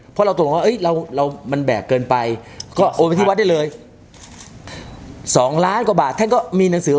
เพราะเราตกลงแล้วเรามันแบกเกินไปต้องเอาไปที่วัดได้เลย๒ล้านบาทท่านก็มีหนังสืออว